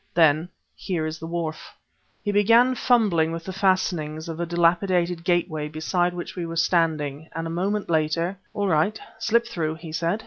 Then, here is the wharf." He began fumbling with the fastenings of a dilapidated gateway beside which we were standing; and a moment later "All right slip through," he said.